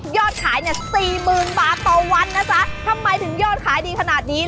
ยอดขายเนี่ยสี่หมื่นบาทต่อวันนะจ๊ะทำไมถึงยอดขายดีขนาดนี้